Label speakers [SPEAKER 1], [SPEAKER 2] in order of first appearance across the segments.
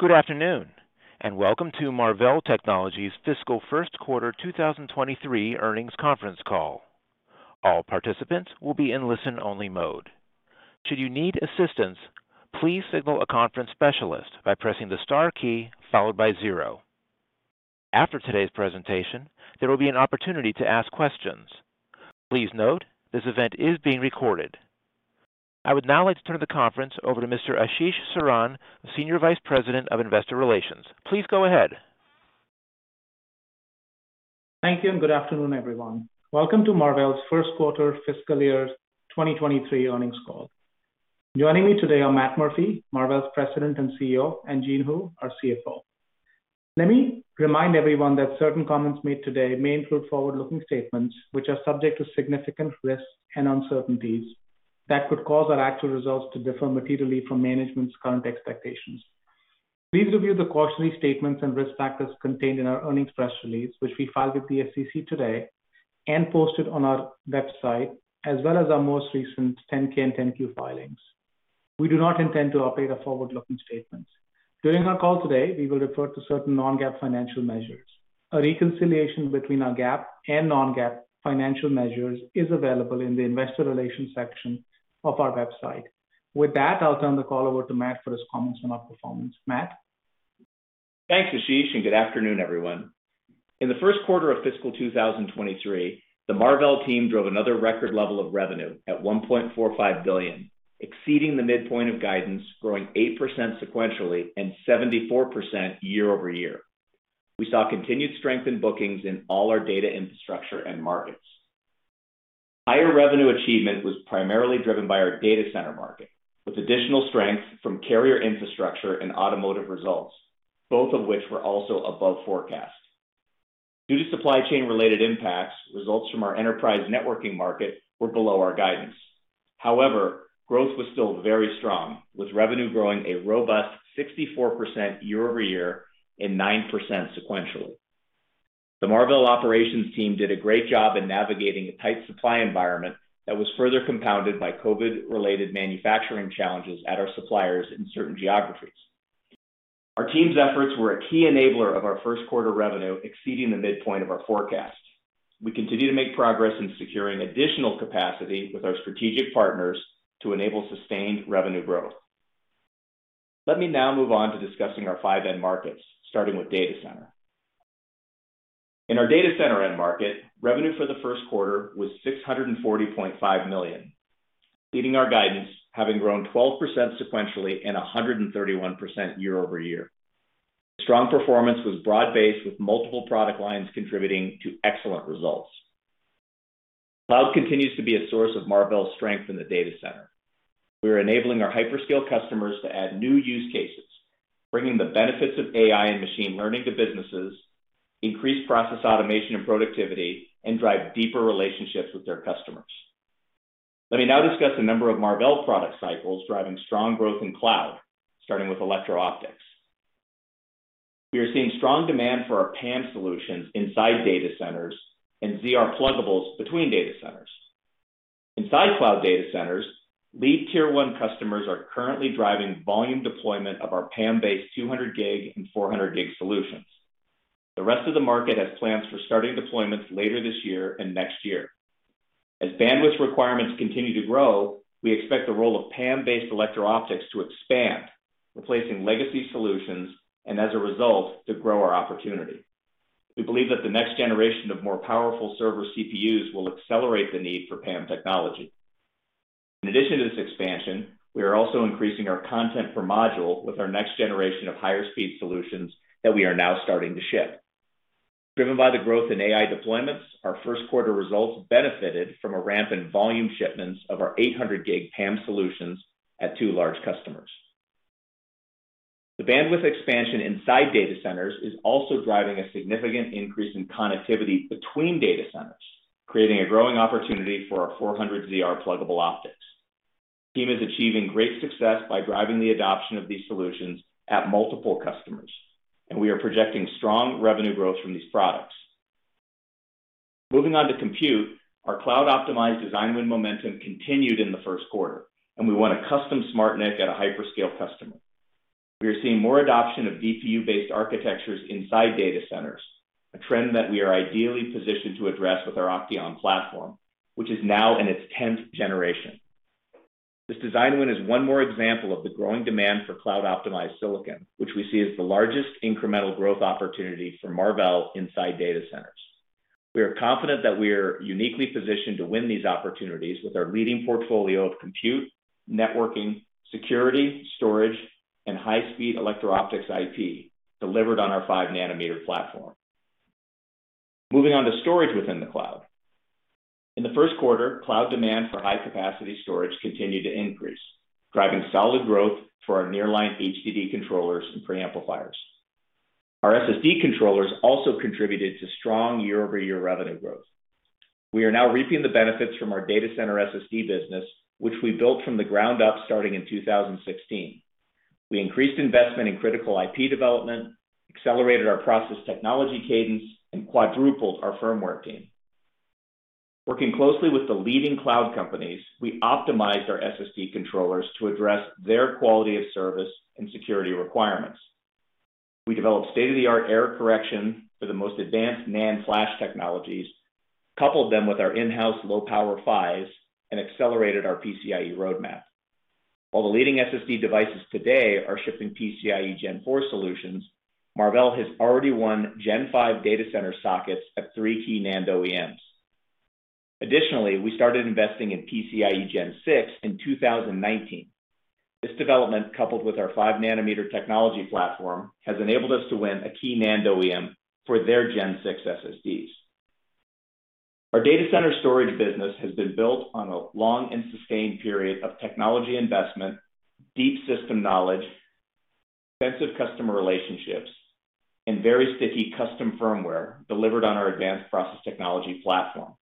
[SPEAKER 1] Good afternoon, and welcome to Marvell Technology Fiscal Q1 2023 Earnings Conference Call. All participants will be in listen-only mode. Should you need assistance, please signal a conference specialist by pressing the star key followed by zero. After today's presentation, there will be an opportunity to ask questions. Please note, this event is being recorded. I would now like to turn the conference over to Mr. Ashish Saran, Senior Vice President of Investor Relations. Please go ahead.
[SPEAKER 2] Thank you, and good afternoon, everyone. Welcome to Marvell's Q1 fiscal year 2023 earnings call. Joining me today are Matt Murphy, Marvell's President and CEO, and Jean Hu, our CFO. Let me remind everyone that certain comments made today may include forward-looking statements, which are subject to significant risks and uncertainties that could cause our actual results to differ materially from management's current expectations. Please review the cautionary statements and risk factors contained in our earnings press release, which we filed with the SEC today and posted on our website, as well as our most recent 10-K and 10-Q filings. We do not intend to update our forward-looking statements. During our call today, we will refer to certain non-GAAP financial measures. A reconciliation between our GAAP and non-GAAP financial measures is available in the investor relations section of our website. With that, I'll turn the call over to Matt for his comments on our performance. Matt?
[SPEAKER 3] Thanks, Ashish, and good afternoon, everyone. In the Q1 of fiscal 2023, the Marvell team drove another record level of revenue at $1.45 billion, exceeding the midpoint of guidance, growing 8% sequentially and 74% year-over-year. We saw continued strength in bookings in all our data infrastructure and markets. Higher revenue achievement was primarily driven by our data center market, with additional strength from carrier infrastructure and automotive results, both of which were also above forecast. Due to supply chain-related impacts, results from our enterprise networking market were below our guidance. However, growth was still very strong, with revenue growing a robust 64% year-over-year and 9% sequentially. The Marvell operations team did a great job in navigating a tight supply environment that was further compounded by COVID-related manufacturing challenges at our suppliers in certain geographies. Our team's efforts were a key enabler of our Q1 revenue exceeding the midpoint of our forecast. We continue to make progress in securing additional capacity with our strategic partners to enable sustained revenue growth. Let me now move on to discussing our five end markets, starting with the data center. In our data center end market, revenue for the Q1 was $640.5 million, beating our guidance, having grown 12% sequentially and 131% year-over-year. Strong performance was broad-based, with multiple product lines contributing to excellent results. Cloud continues to be a source of Marvell's strength in the data center. We are enabling our hyperscale customers to add new use cases, bringing the benefits of AI and machine learning to businesses, increase process automation and productivity, and drive deeper relationships with their customers. Let me now discuss a number of Marvell product cycles driving strong growth in cloud, starting with electro-optics. We are seeing strong demand for our PAM solutions inside data centers and ZR pluggables between data centers. Inside cloud data centers, leading tier one customers are currently driving volume deployment of our PAM-based 200 gig and 400 gig solutions. The rest of the market has plans for starting deployments later this year and next year. As bandwidth requirements continue to grow, we expect the role of PAM-based electro optics to expand, replacing legacy solutions and as a result, to grow our opportunity. We believe that the next generation of more powerful server CPUs will accelerate the need for PAM technology. In addition to this expansion, we are also increasing our content per module with our next generation of higher speed solutions that we are now starting to ship. Driven by the growth in AI deployments, our Q1 results benefited from a ramp in volume shipments of our 800G PAM solutions at two large customers. The bandwidth expansion inside data centers is also driving a significant increase in connectivity between data centers, creating a growing opportunity for our 400ZR pluggable optics. The team is achieving great success by driving the adoption of these solutions at multiple customers, and we are projecting strong revenue growth from these products. Moving on to compute, our cloud optimized design win momentum continued in the Q1, and we won a custom SmartNIC at a hyperscale customer. We are seeing more adoption of DPU-based architectures inside data centers, a trend that we are ideally positioned to address with our OCTEON platform, which is now in its tenth generation. This design win is one more example of the growing demand for cloud-optimized silicon, which we see as the largest incremental growth opportunity for Marvell inside data centers. We are confident that we are uniquely positioned to win these opportunities with our leading portfolio of compute, networking, security, storage, and high-speed electro-optics IP delivered on our 5-nanometer platform. Moving on to storage within the cloud. In the Q1, cloud demand for high-capacity storage continued to increase, driving solid growth for our nearline HDD controllers and preamplifiers. Our SSD controllers also contributed to strong year-over-year revenue growth. We are now reaping the benefits from our data center SSD business, which we built from the ground up starting in 2016. We increased investment in critical IP development, accelerated our process technology cadence, and quadrupled our firmware team. Working closely with the leading cloud companies, we optimized our SSD controllers to address their quality of service and security requirements. We developed state-of-the-art error correction for the most advanced NAND flash technologies, coupled them with our in-house low-power PHYs, and accelerated our PCIe roadmap. While the leading SSD devices today are shipping PCIe Gen 4 solutions, Marvell has already won Gen 5 data center sockets at three key NAND OEMs. Additionally, we started investing in PCIe Gen 6 in 2019. This development, coupled with our 5-nanometer technology platform, has enabled us to win a key NAND OEM for their Gen 6 SSDs. Our data center storage business has been built on a long and sustained period of technology investment, deep system knowledge, extensive customer relationships, and very sticky custom firmware delivered on our advanced process technology platform.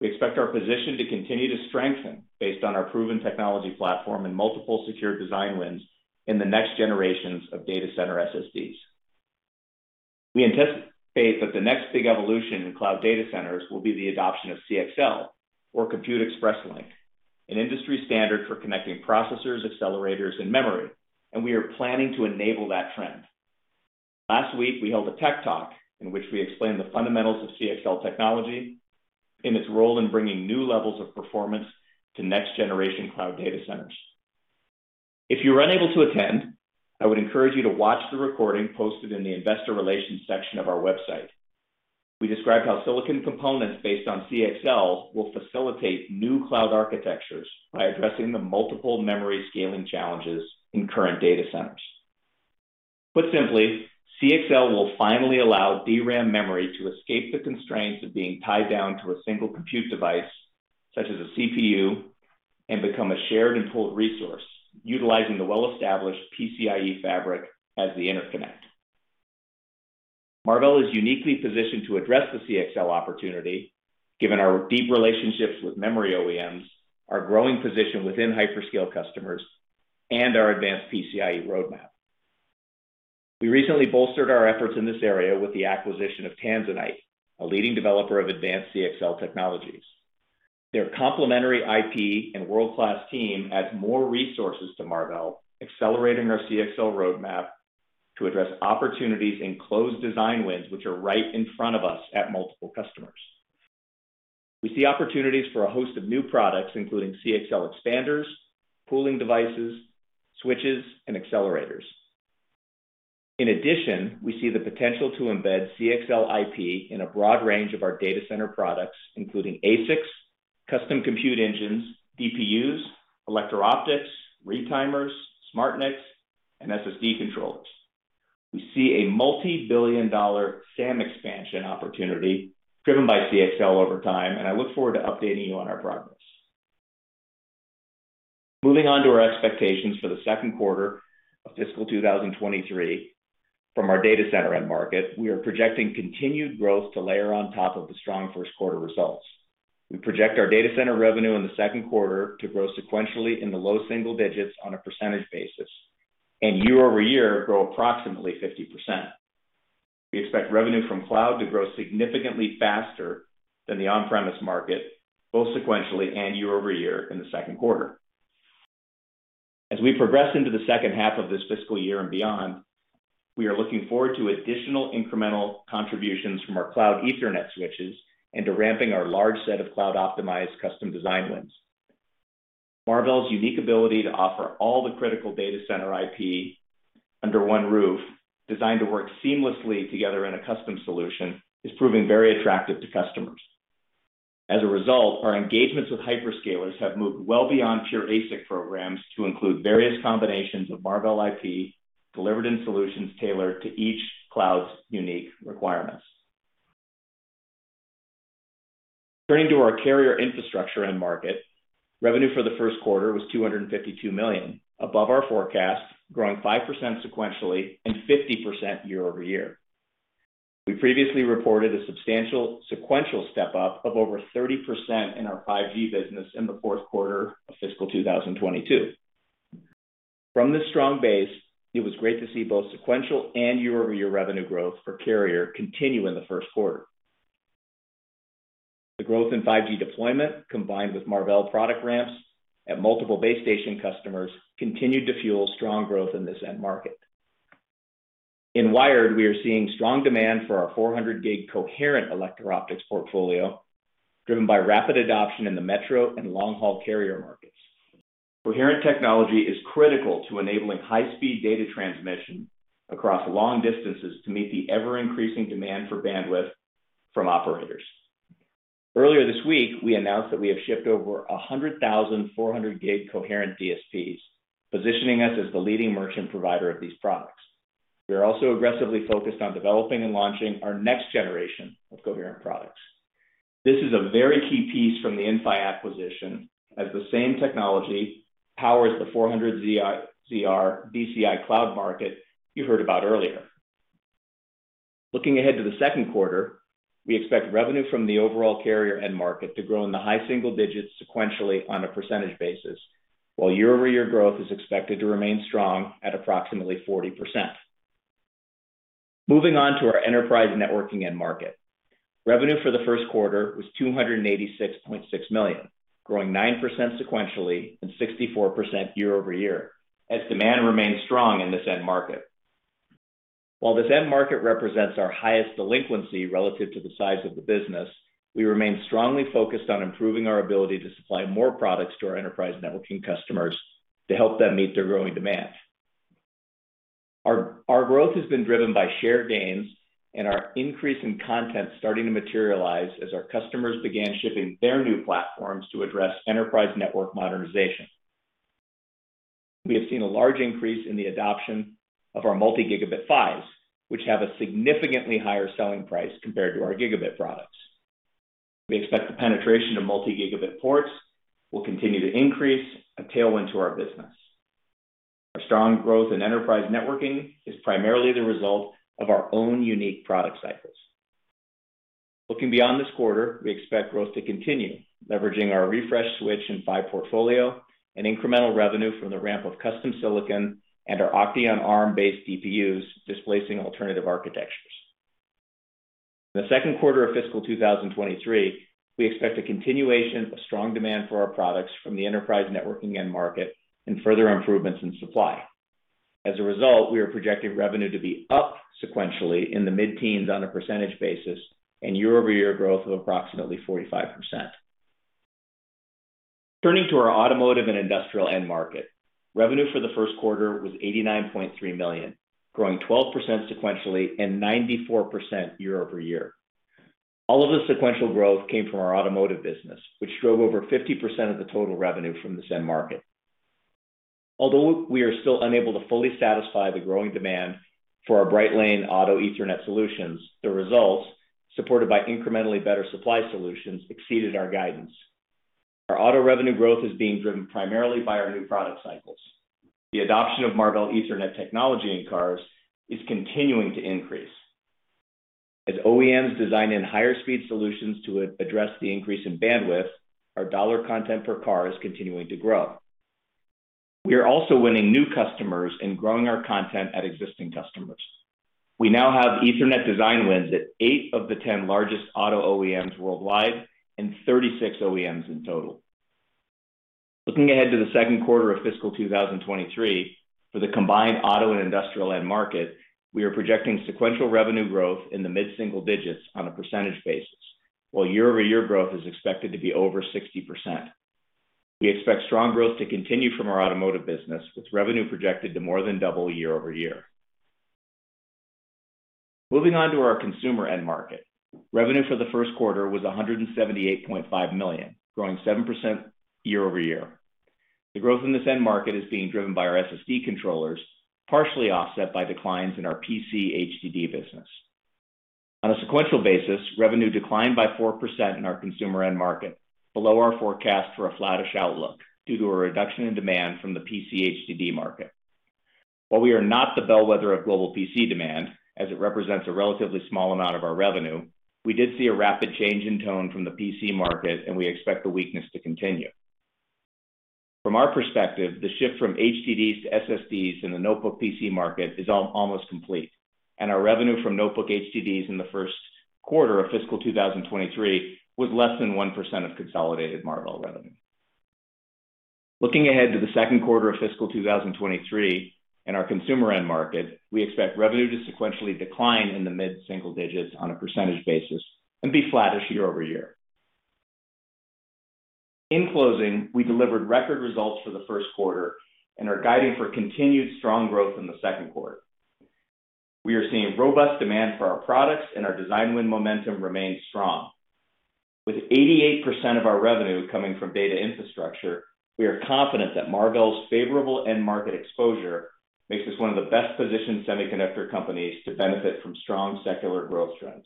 [SPEAKER 3] We expect our position to continue to strengthen based on our proven technology platform and multiple secured design wins in the next generations of data center SSDs. We anticipate that the next big evolution in cloud data centers will be the adoption of CXL, or Compute Express Link, an industry standard for connecting processors, accelerators, and memory, and we are planning to enable that trend. Last week, we held a tech talk in which we explained the fundamentals of CXL technology and its role in bringing new levels of performance to next generation cloud data centers. If you were unable to attend, I would encourage you to watch the recording posted in the investor relations section of our website. We described how silicon components based on CXL will facilitate new cloud architectures by addressing the multiple memory scaling challenges in current data centers. Put simply, CXL will finally allow DRAM memory to escape the constraints of being tied down to a single compute device, such as a CPU, and become a shared and pooled resource, utilizing the well-established PCIe fabric as the interconnect. Marvell is uniquely positioned to address the CXL opportunity given our deep relationships with memory OEMs, our growing position within hyperscale customers, and our advanced PCIe roadmap. We recently bolstered our efforts in this area with the acquisition of Tanzanite, a leading developer of advanced CXL technologies. Their complementary IP and world-class team adds more resources to Marvell, accelerating our CXL roadmap to address opportunities in closed design wins, which are right in front of us at multiple customers. We see opportunities for a host of new products, including CXL expanders, pooling devices, switches, and accelerators. In addition, we see the potential to embed CXL IP in a broad range of our data center products, including ASICs, custom compute engines, DPUs, electro-optics, retimers, SmartNICs, and SSD controllers. We see a multi-billion-dollar SAM expansion opportunity driven by CXL over time, and I look forward to updating you on our progress. Moving on to our expectations for the Q2 of fiscal 2023 from our data center end market, we are projecting continued growth to layer on top of the strong Q1 results. We project our data center revenue in the Q2 to grow sequentially in the low single digits % and year-over-year grow approximately 50%. We expect revenue from cloud to grow significantly faster than the on-premise market, both sequentially and year-over-year in the Q. As we progress into the second half of this fiscal year and beyond, we are looking forward to additional incremental contributions from our cloud Ethernet switches and to ramping our large set of cloud-optimized custom design wins. Marvell's unique ability to offer all the critical data center IP under one roof, designed to work seamlessly together in a custom solution is proving very attractive to customers. As a result, our engagements with hyperscalers have moved well beyond pure ASIC programs to include various combinations of Marvell IP delivered in solutions tailored to each cloud's unique requirements. Turning to our carrier infrastructure end market, revenue for Q1 was $252 million, above our forecast, growing 5% sequentially and 50% year-over-year. We previously reported a substantial sequential step-up of over 30% in our 5G business in the fourth quarter of fiscal 2022. From this strong base, it was great to see both sequential and year-over-year revenue growth for carrier continue in the first quarter. The growth in 5G deployment, combined with Marvell product ramps at multiple base station customers, continued to fuel strong growth in this end market. In wired, we are seeing strong demand for our 400 gig coherent electro-optics portfolio, driven by rapid adoption in the metro and long-haul carrier markets. Coherent technology is critical to enabling high-speed data transmission across long distances to meet the ever-increasing demand for bandwidth from operators. Earlier this week, we announced that we have shipped over 100,000 400G coherent DSPs, positioning us as the leading merchant provider of these products. We are also aggressively focused on developing and launching our next generation of coherent products. This is a very key piece from the Inphi acquisition, as the same technology powers the 400ZR DCI cloud market you heard about earlier. Looking ahead to Q2, we expect revenue from the overall carrier end market to grow in the high single digits sequentially on a percentage basis, while year-over-year growth is expected to remain strong at approximately 40%. Moving on to our enterprise networking end market. Revenue for Q1 was $286.6 million, growing 9% sequentially and 64% year-over-year, as demand remains strong in this end market. While this end market represents our highest delinquency relative to the size of the business, we remain strongly focused on improving our ability to supply more products to our enterprise networking customers to help them meet their growing demand. Our growth has been driven by share gains and our increase in content, starting to materialize as our customers began shipping their new platforms to address enterprise network modernization. We have seen a large increase in the adoption of our multi-gigabit PHYs, which have a significantly higher selling price compared to our gigabit products. We expect the penetration of multi-gigabit ports will continue to increase, a tailwind to our business. Our strong growth in enterprise networking is primarily the result of our own unique product cycles. Looking beyond this quarter, we expect growth to continue, leveraging our refresh switch and PHY portfolio and incremental revenue from the ramp of custom silicon and our OCTEON ARM-based DPUs displacing alternative architectures. In Q2 of fiscal 2023, we expect a continuation of strong demand for our products from the enterprise networking end market and further improvements in supply. As a result, we are projecting revenue to be up sequentially in the mid-teens % and year-over-year growth of approximately 45%. Turning to our automotive and industrial end market. Revenue for Q1 was $89.3 million, growing 12% sequentially and 94% year-over-year. All of the sequential growth came from our automotive business, which drove over 50% of the total revenue from this end market. Although we are still unable to fully satisfy the growing demand for our Brightlane Auto Ethernet solutions, the results, supported by incrementally better supply solutions, exceeded our guidance. Our auto revenue growth is being driven primarily by our new product cycles. The adoption of Marvell Ethernet technology in cars is continuing to increase. As OEMs design in higher speed solutions to address the increase in bandwidth, our dollar content per car is continuing to grow. We are also winning new customers and growing our content at existing customers. We now have Ethernet design wins at 8 of the 10 largest auto OEMs worldwide and 36 OEMs in total. Looking ahead to Q2 of fiscal 2023, for the combined auto and industrial end market, we are projecting sequential revenue growth in the mid-single digits on a percentage basis, while year-over-year growth is expected to be over 60%. We expect strong growth to continue from our automotive business, with revenue projected to more than double year over year. Moving on to our consumer end market. Revenue for the first quarter was $178.5 million, growing 7% year over year. The growth in this end market is being driven by our SSD controllers, partially offset by declines in our PC HDD business. On a sequential basis, revenue declined by 4% in our consumer end market, below our forecast for a flattish outlook due to a reduction in demand from the PC HDD market. While we are not the bellwether of global PC demand, as it represents a relatively small amount of our revenue, we did see a rapid change in tone from the PC market, and we expect the weakness to continue. From our perspective, the shift from HDDs to SSDs in the notebook PC market is almost complete, and our revenue from notebook HDDs in Q1 of fiscal 2023 was less than 1% of consolidated Marvell revenue. Looking ahead to Q2 of fiscal 2023 in our consumer end market, we expect revenue to sequentially decline in the mid-single digits% on a percentage basis and be flattish year-over-year. In closing, we delivered record results for the first quarter and are guiding for continued strong growth in Q2. We are seeing robust demand for our products, and our design win momentum remains strong. With 88% of our revenue coming from data infrastructure, we are confident that Marvell's favorable end market exposure makes us one of the best-positioned semiconductor companies to benefit from strong secular growth trends.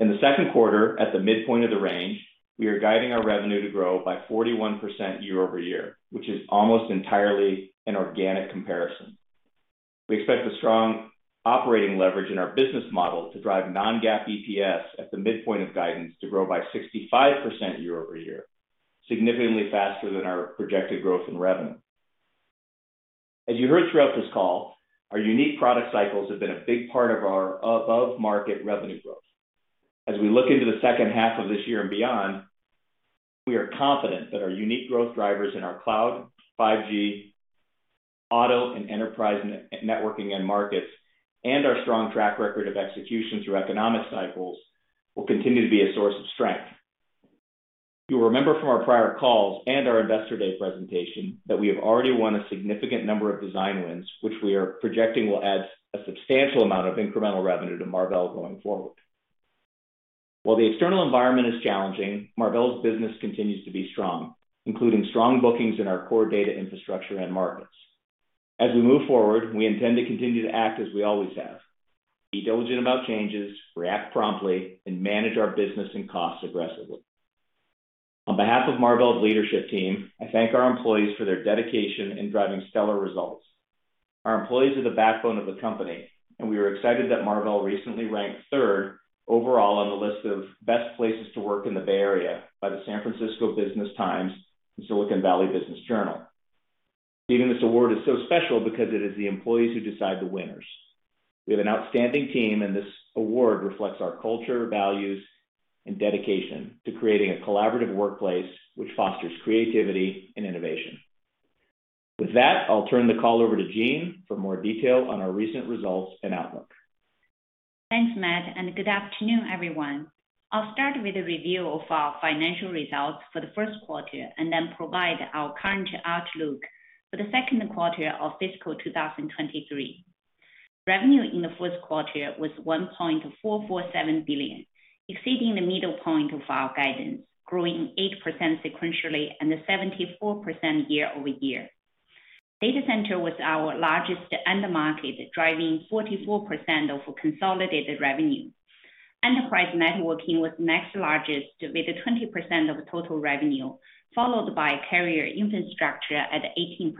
[SPEAKER 3] In Q2, at the midpoint of the range, we are guiding our revenue to grow by 41% year over year, which is almost entirely an organic comparison. We expect the strong operating leverage in our business model to drive non-GAAP EPS at the midpoint of guidance to grow by 65% year over year, significantly faster than our projected growth in revenue. As you heard throughout this call, our unique product cycles have been a big part of our above-market revenue growth. As we look into the second half of this year and beyond, we are confident that our unique growth drivers in our cloud, 5G, auto, and enterprise networking end markets and our strong track record of execution through economic cycles will continue to be a source of strength. You'll remember from our prior calls and our Investor Day presentation that we have already won a significant number of design wins, which we are projecting will add a substantial amount of incremental revenue to Marvell going forward. While the external environment is challenging, Marvell's business continues to be strong, including strong bookings in our core data infrastructure end markets. As we move forward, we intend to continue to act as we always have, be diligent about changes, react promptly, and manage our business and costs aggressively. On behalf of Marvell's leadership team, I thank our employees for their dedication in driving stellar results. Our employees are the backbone of the company, and we are excited that Marvell recently ranked third overall on the list of best places to work in the Bay Area by the San Francisco Business Times and Silicon Valley Business Journal. Receiving this award is so special because it is the employees who decide the winners. We have an outstanding team, and this award reflects our culture, values, and dedication to creating a collaborative workplace which fosters creativity and innovation. With that, I'll turn the call over to Jean for more detail on our recent results and outlook.
[SPEAKER 4] Thanks, Matt, and good afternoon, everyone. I'll start with a review of our financial results for Q1 and then provide our current outlook for Q2 of fiscal 2023. Revenue in Q1 was $1.447 billion, exceeding the middle point of our guidance, growing 8% sequentially and 74% year-over-year. The data center was our largest end market, driving 44% of consolidated revenue. Enterprise networking was the next largest with 20% of total revenue, followed by carrier infrastructure at 18%,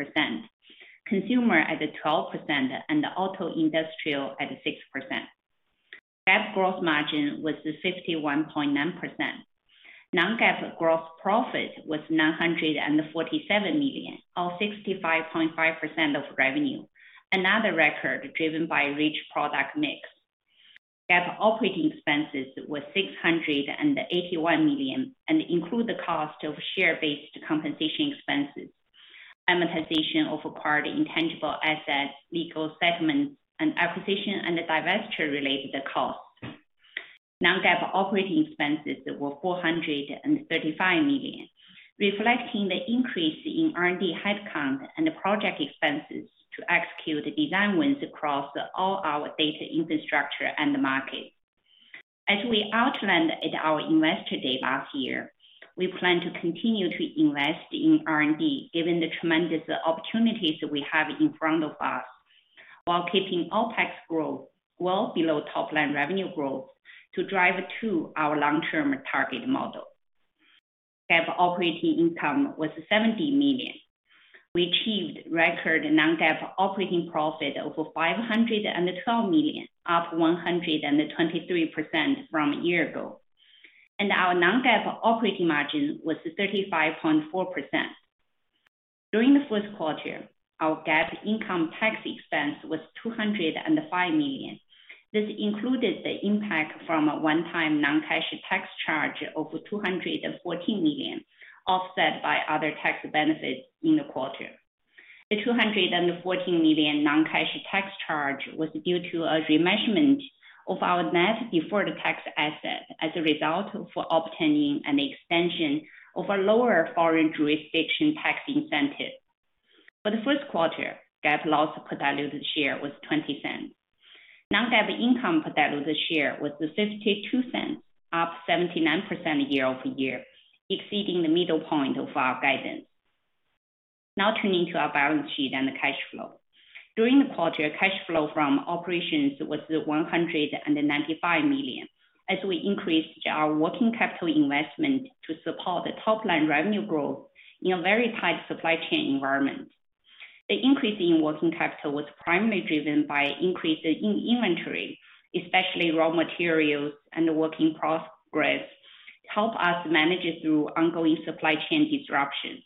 [SPEAKER 4] consumer at 12%, and auto industrial at 6%. GAAP gross margin was 51.9%. Non-GAAP gross profit was $947 million, or 65.5% of revenue. Another record driven by rich product mix. GAAP operating expenses was $681 million, and include the cost of share-based compensation expenses, amortization of acquired intangible assets, legal settlements, and acquisition and divestiture-related costs. Non-GAAP operating expenses were $435 million, reflecting the increase in R&D headcount and project expenses to execute design wins across all our data infrastructure and the market. As we outlined at our Investor Day last year, we plan to continue to invest in R&D given the tremendous opportunities we have in front of us, while keeping OpEx growth well below top-line revenue growth to drive to our long-term target model. GAAP operating income was $70 million. We achieved record non-GAAP operating profit over $512 million, up 123% from a year ago. Our non-GAAP operating margin was 35.4%. During Q1, our GAAP income tax expense was $205 million. This included the impact from a one-time non-cash tax charge over $214 million, offset by other tax benefits in the quarter. The $214 million non-cash tax charge was due to a remeasurement of our net deferred tax asset as a result of obtaining an extension of a lower foreign jurisdiction tax incentive. For the first quarter, GAAP loss per diluted share was $0.20. Non-GAAP income per diluted share was $0.52, up 79% year-over-year, exceeding the middle point of our guidance. Now turning to our balance sheet and the cash flow. During the quarter, cash flow from operations was $195 million. We increased our working capital investment to support the top line revenue growth in a very tight supply chain environment. The increase in working capital was primarily driven by increase in inventory, especially raw materials and work in progress, to help us manage through ongoing supply chain disruption.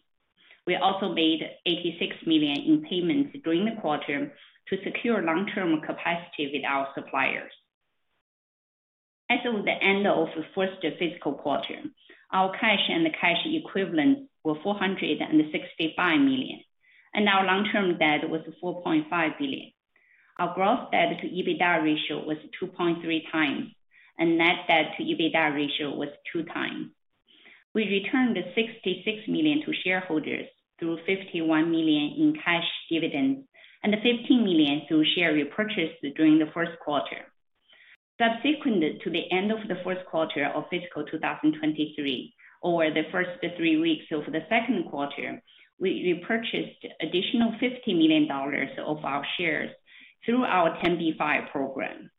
[SPEAKER 4] We also made $86 million in payments during the quarter to secure long-term capacity with our suppliers. As of the end of the first fiscal quarter, our cash and cash equivalents were $465 million, and our long-term debt was $4.5 billion. Our gross debt to EBITDA ratio was 2.3 times, and our net debt to EBITDA ratio was 2 times. We returned $66 million to shareholders through $51 million in cash dividends and $15 million through share repurchases during the first quarter. Subsequent to the end of the first quarter of fiscal 2023 or the first three weeks of Q2, we purchased an additional $50 million of our shares through our 10b5-1 program.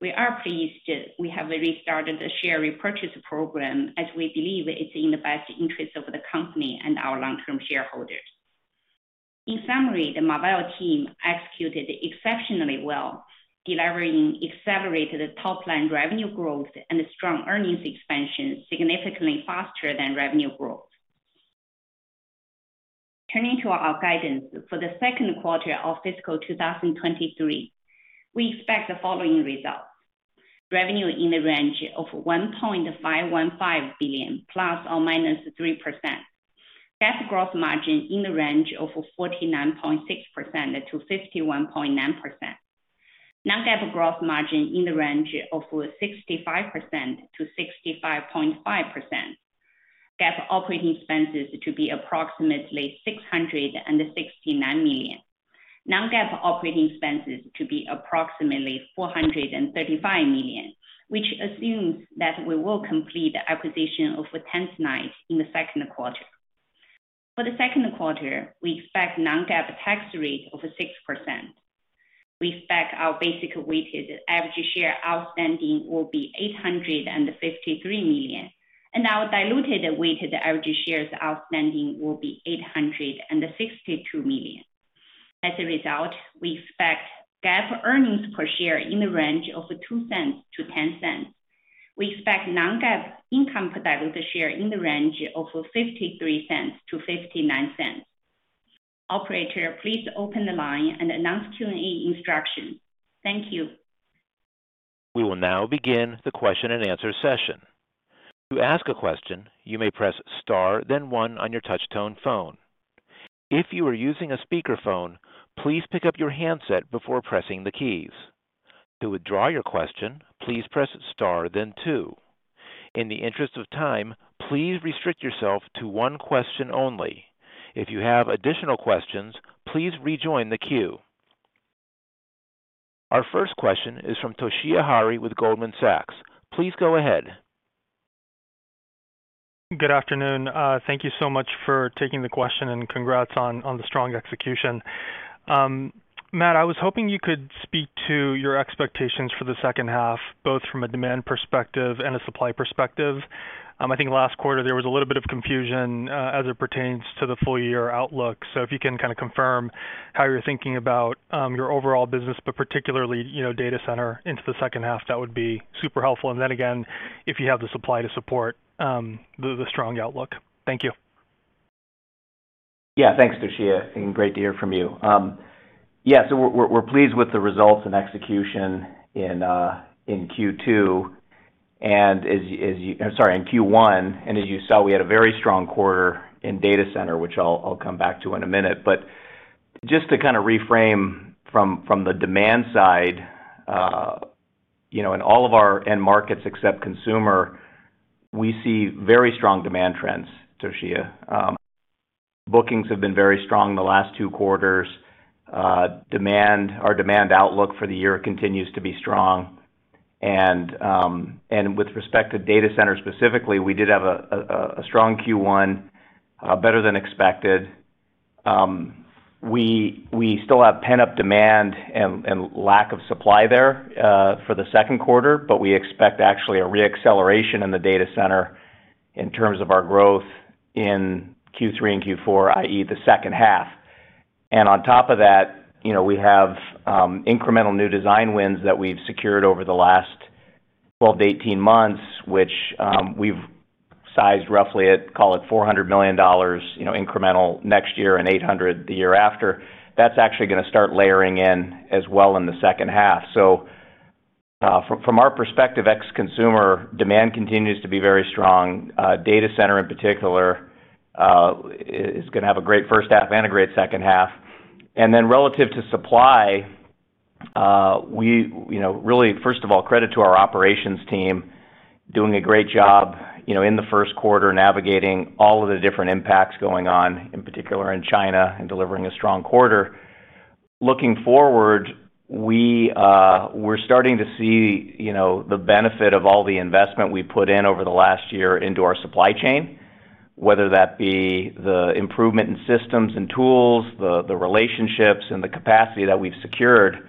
[SPEAKER 4] We are pleased that we have restarted the share repurchase program as we believe it's in the best interest of the company and our long-term shareholders. In summary, the Marvell team executed exceptionally well, delivering accelerated top line revenue growth and strong earnings expansion significantly faster than revenue growth. Turning to our guidance for Q2 of fiscal 2023, we expect the following results. Revenue in the range of $1.515 billion ±3%. GAAP gross margin in the range of 49.6%-51.9%. Non-GAAP gross margin in the range of 65%-65.5%. GAAP operating expenses to be approximately $669 million. Non-GAAP operating expenses to be approximately $435 million, which assumes that we will complete the acquisition of Tanzanite in Q2. For Q2, we expect a Non-GAAP tax rate of 6%. We expect our basic weighted average share outstanding to be 853 million, and our diluted weighted average shares outstanding to be 862 million. As a result, we expect GAAP earnings per share in the range of $0.02-$0.10. We expect non-GAAP income per diluted share in the range of $0.53-$0.59. Operator, please open the line and announce Q&A instructions. Thank you.
[SPEAKER 1] We will now begin the question-and-answer session. To ask a question, you may press star, then 1 on your touchtone phone. If you are using a speakerphone, please pick up your handset before pressing the keys. To withdraw your question, please press star then 2. In the interest of time, please restrict yourself to one question only. If you have additional questions, please rejoin the queue. Our first question is from Toshiya Hari with Goldman Sachs. Please go ahead.
[SPEAKER 5] Good afternoon. Thank you so much for taking the question and congrats on the strong execution. Matt, I was hoping you could speak to your expectations for the second half, both from a demand perspective and a supply perspective. I think last quarter there was a little bit of confusion as it pertains to the full year outlook. If you can kind of confirm how you're thinking about your overall business, but particularly, data center into the second half, that would be super helpful. If you have the supply to support the strong outlook? Thank you.
[SPEAKER 3] Thanks, Toshiya, and great to hear from you. So we're pleased with the results and execution in Q1. As you saw, we had a very strong quarter in data center, which I'll come back to in a minute. Just to kind of reframe from the demand side in all of our end markets except consumer, we see very strong demand trends, Toshiya. Bookings have been very strong in the last two quarters. Demand, our demand outlook for the year continues to be strong. With respect to data center specifically, we did have a strong Q1, better than expected. We still have pent-up demand and lack of supply there for Q2, but we expect actually a re-acceleration in the data center in terms of our growth in Q3 and Q4, i.e., the second half. On top of that we have incremental new design wins that we've secured over the last 12 to 18 months, which we've sized roughly at, call it $400 million incremental next year and $800 the year after. That's actually gonna start layering in as well in the second half. From our perspective, ex-consumer demand continues to be very strong. The data center in particular, is gonna have a great first half and a great second half. Relative to supply, we really, first of all, credit our operations team for doing a great job in the Q1, navigating all of the different impacts going on, in particular in China, and delivering a strong quarter. Looking forward, we're starting to see the benefit of all the investment we put in over the last year into our supply chain, whether that be the improvement in systems and tools, the relationships and, the capacity that we've secured.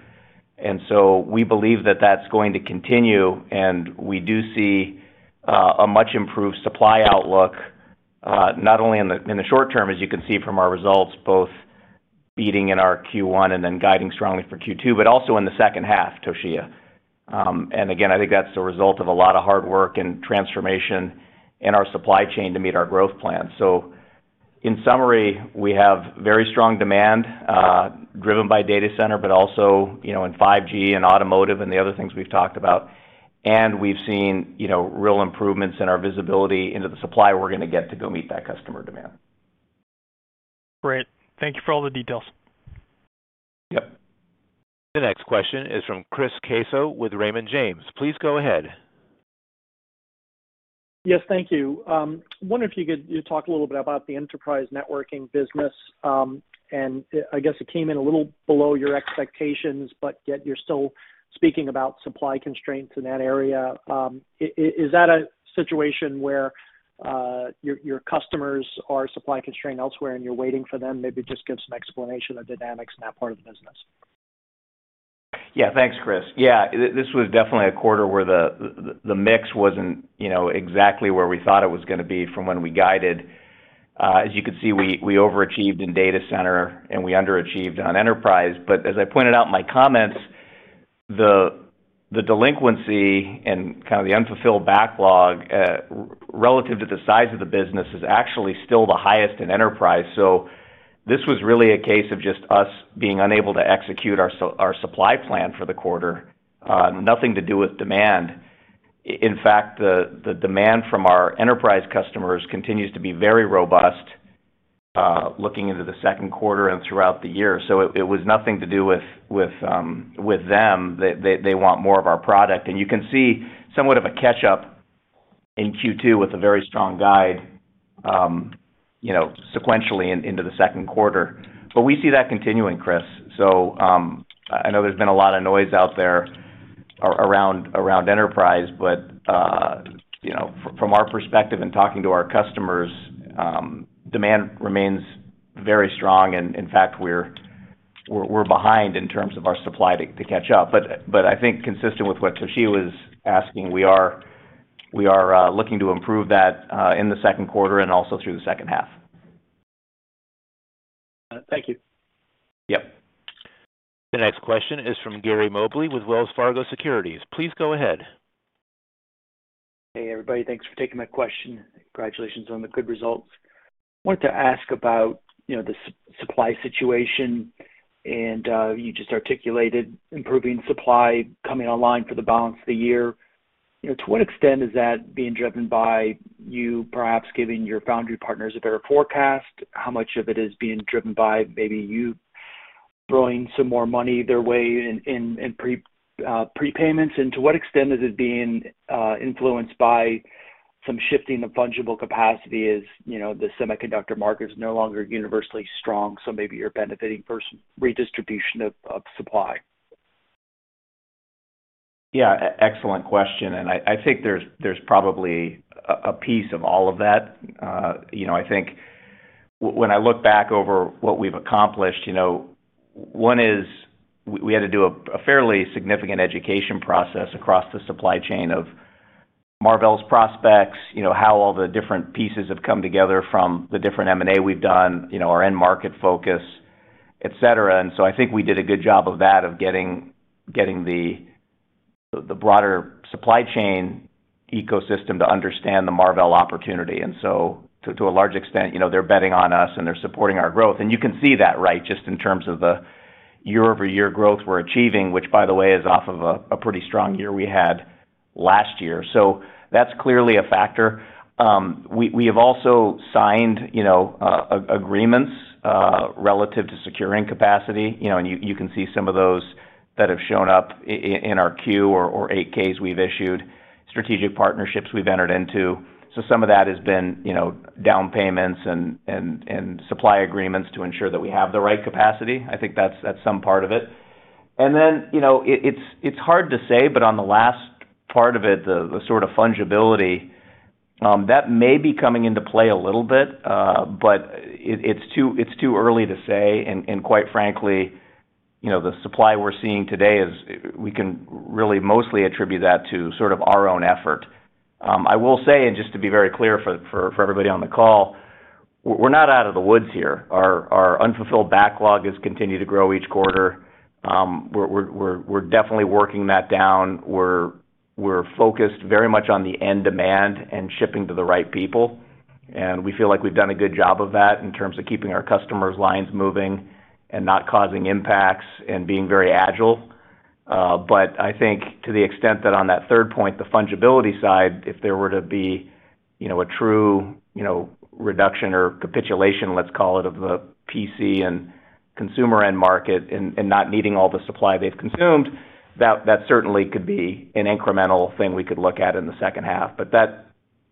[SPEAKER 3] We believe that that's going to continue, and we do see a much improved supply outlook, not only in the short term, as you can see from our results, both beating in our Q1 and then guiding strongly for Q2, but also in the second half, Toshiya. Again, I think that's the result of a lot of hard work and transformation in our supply chain to meet our growth plan. In summary, we have very strong demand, driven by data center, but also in 5G and automotive, and the other things we've talked about. We've seen real improvements in our visibility into the supply we're gonna get to go meet that customer demand.
[SPEAKER 5] Great. Thank you for all the details.
[SPEAKER 3] Yep.
[SPEAKER 1] The next question is from Chris Caso with Raymond James. Please go ahead.
[SPEAKER 6] Yes, thank you. Wondering if you could just talk a little bit about the enterprise networking business. I guess it came in a little below your expectations, but yet you're still speaking about supply constraints in that area. Is that a situation where, your customers are supply constrained elsewhere and you're waiting for them? Maybe just give some explanation of the dynamics in that part of the business.
[SPEAKER 3] Thanks, Chris. This was definitely a quarter where the mix wasn't exactly where we thought it was gonna be from when we guided. As you can see, we overachieved in data center and we underachieved on the enterprise. As I pointed out in my comments, the delinquency and kind of the unfulfilled backlog relative to the size of the business is actually still the highest in enterprise. This was really a case of just us being unable to execute our supply plan for the quarter, nothing to do with demand. In fact, the demand from our enterprise customers continues to be very robust looking into the Q2 and throughout the year. It was nothing to do with them. They want more of our product. You can see somewhat of a catch-up in Q2 with a very strong guide, sequentially into the Q2. We see that continuing, Chris. I know there's been a lot of noise out there around Enterprise, but from our perspective in talking to our customers, demand remains very strong. In fact, we're behind in terms of our supply to catch up. I think consistent with what Toshiya was asking, we are looking to improve that in the Q2 and also through the second half.
[SPEAKER 6] Thank you.
[SPEAKER 3] Yep.
[SPEAKER 1] The next question is from Gary Mobley with Wells Fargo Securities. Please go ahead.
[SPEAKER 7] Hey, everybody. Thanks for taking my question. Congratulations on the good results. Wanted to ask about the supply situation and you just articulated improving supply coming online for the balance of the year. To what extent is that being driven by you perhaps giving your foundry partners a better forecast? How much of it is being driven by maybe you throwing some more money their way in prepayments? And to what extent is it being influenced by some shifting of fungible capacity, the semiconductor market is no longer universally strong, so maybe you're benefiting from redistribution of supply?
[SPEAKER 3] Excellent question, and I think there's probably a piece of all of that. I think when I look back over what we've accomplished, one is we had to do a fairly significant education process across the supply chain of Marvell's prospects, how all the different pieces have come together from the different M&A we've done, our end market focus, et cetera. I think we did a good job of that, of getting the broader supply chain ecosystem to understand the Marvell opportunity. To a large extent, they're betting on us, and they're supporting our growth. You can see that, right, just in terms of the year-over-year growth we're achieving, which by the way, is off of a pretty strong year we had last year. That's clearly a factor. We have also signed, agreements relative to securing capacity, and you can see some of those that have shown up in our 10-Q or 8-Ks we've issued, strategic partnerships we've entered into. Some of that has been, down payments and supply agreements to ensure that we have the right capacity. I think that's some part of it. Then it's hard to say, but on the last part of it, the sort of fungibility that may be coming into play a little bit, but it's too early to say, and quite frankly, the supply we're seeing today we can really mostly attribute that to sort of our own effort. I will say, just to be very clear for everybody on the call, we're not out of the woods here. Our unfulfilled backlog has continued to grow each quarter. We're definitely working that down. We're focused very much on the end demand and shipping to the right people, and we feel like we've done a good job of that in terms of keeping our customers' lines moving and not causing impacts and being very agile. I think to the extent that on that third point, the fungibility side, if there were to be, a true, reduction or capitulation, let's call it, of the PC and consumer end market and not needing all the supply they've consumed, that certainly could be an incremental thing we could look at in the second half.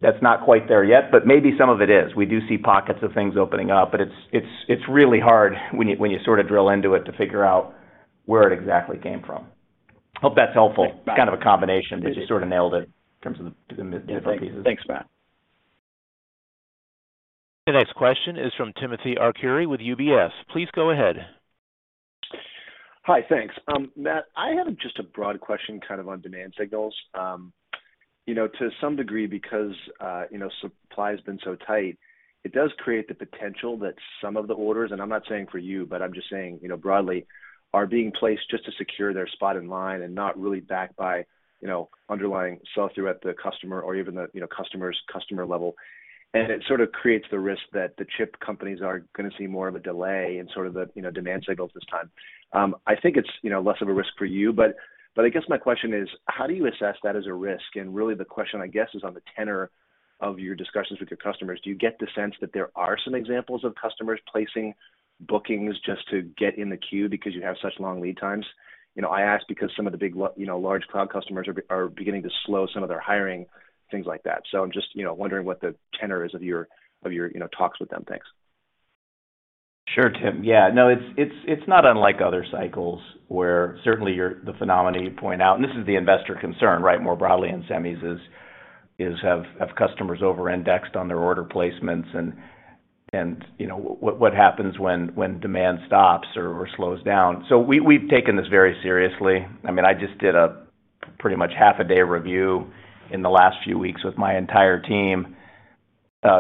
[SPEAKER 3] That's not quite there yet, but maybe some of it is. We do see pockets of things opening up, but it's really hard when you sort of drill into it to figure out where it exactly came from. Hope that's helpful.
[SPEAKER 7] Thanks, Matt.
[SPEAKER 3] Kind of a combination, but you sort of nailed it in terms of the different pieces.
[SPEAKER 7] Thanks, Matt.
[SPEAKER 1] The next question is from Timothy Arcuri with UBS. Please go ahead.
[SPEAKER 8] Hi. Thanks. Matt, I have just a broad question, kind of on-demand signals. To some degree because supply has been so tight, it does create the potential that some of the orders, and I'm not saying for you, but I'm just saying broadly, are being placed just to secure their spot in line and not really backed by underlying sell-through at the customer or even the customer's customer level. It sort of creates the risk that the chip companies are gonna see more of a delay in sort of the demand signals this time. I think it's less of a risk for you, but I guess my question is, how do you assess that as a risk? Really the question, I guess, is on the tenor of your discussions with your customers. Do you get the sense that there are some examples of customers placing bookings just to get in the queue because you have such long lead times? I ask because some of the large cloud customers are beginning to slow some of their hiring, things like that. I'm just wondering what the tenor is of your talks with them. Thanks.
[SPEAKER 3] Sure, Tim. No, it's not unlike other cycles where certainly you're the phenomenon you point out, and this is the investor concern, right, more broadly in semis is have customers over-indexed on their order placements and what happens when demand stops or slows down. We've taken this very seriously. I mean, I just did pretty much half-day review in the last few weeks with my entire team,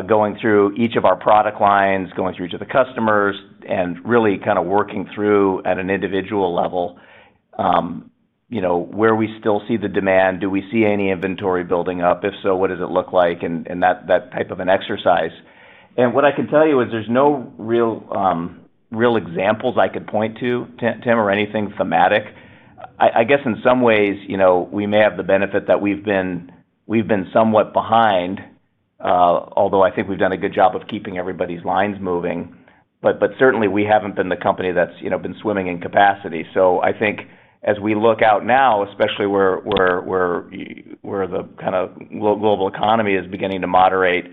[SPEAKER 3] going through each of our product lines, going through the customers, and really kind of working through at an individual level where we still see the demand, do we see any inventory building up? If so, what does it look like? That type of exercise. What I can tell you is there are no real examples I could point to Tim or anything thematic. I guess in some ways we may have the benefit that we've been somewhat behind, although I think we've done a good job of keeping everybody's lines moving. Certainly we haven't been the company that's been swimming in capacity. I think as we look out now, especially where the kind of global economy is beginning to moderate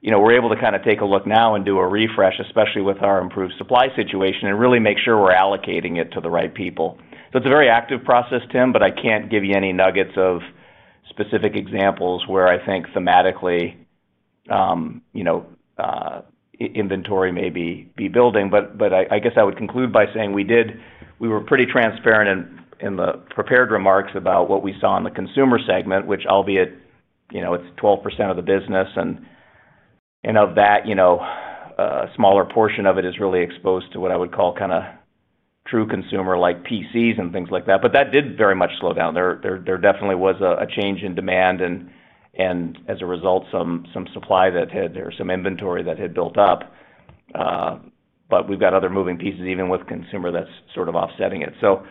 [SPEAKER 3] we're able to kind of take a look now and do a refresh, especially with our improved supply situation, and really make sure we're allocating it to the right people. It's a very active process, Tim, but I can't give you any nuggets of specific examples where I think thematically inventory may be building, but I guess I would conclude by saying we were pretty transparent in the prepared remarks about what we saw in the consumer segment, which albeit it's 12% of the business, and of that a smaller portion of it is really exposed to what I would call kind of true consumer like PCs and things like that. But that did very much slow down. There definitely was a change in demand, and as a result, some supply that had or some inventory that had built up. But we've got other moving pieces, even with consumer that's sort of offsetting it. A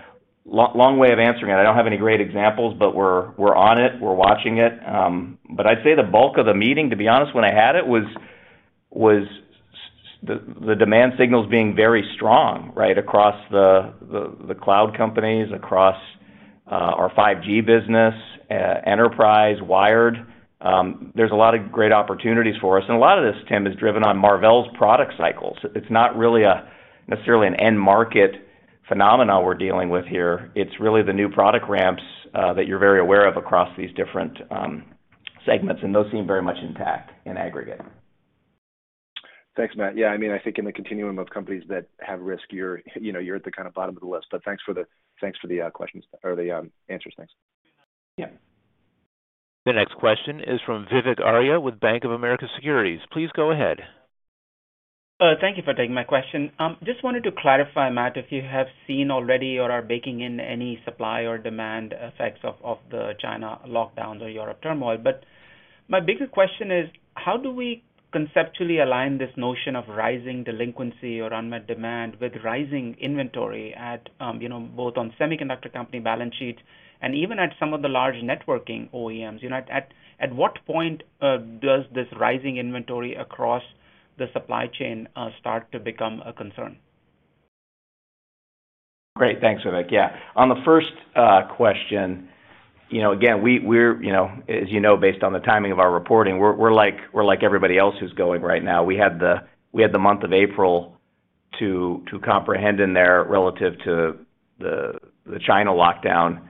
[SPEAKER 3] long, long way of answering it. I don't have any great examples, but we're on it. We're watching it. But I'd say the bulk of the meeting, to be honest, when I had it, was the demand signals being very strong, right? Across the cloud companies, across our 5G business, enterprise, and wired. There are a lot of great opportunities for us, and a lot of this, Tim, is driven on Marvell's product cycles. It's not really necessarily an end market phenomena we're dealing with here. It's really the new product ramps that you're very aware of across these different segments, and those seem very much intact in aggregate.
[SPEAKER 8] Thanks, Matt. Yeah, I mean, I think in the continuum of companies that have risk, you're at the kind of bottom of the list. Thanks for the questions or the answers. Thanks.
[SPEAKER 1] The next question is from Vivek Arya with Bank of America Securities. Please go ahead.
[SPEAKER 9] Thank you for taking my question. Just wanted to clarify, Matt, if you have seen already or are baking in any supply or demand effects of the China lockdowns or Europe turmoil. My bigger question is, how do we conceptually align this notion of rising delinquency or unmet demand with rising inventory at, both on semiconductor company balance sheets and even at some of the large networking OEMs? What point does this rising inventory across the supply chain start to become a concern?
[SPEAKER 3] Great. Thanks, Vivek. Yeah. On the first question again, based on the timing of our reporting, we're like everybody else who's going right now. We had the month of April to comprehend in there relative to the China lockdown.